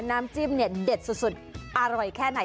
น้ำจิ้มเนี่ยเด็ดสุดอร่อยแค่ไหน